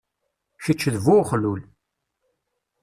Keč d bu uxlul.